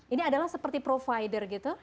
ini adalah seperti provider gitu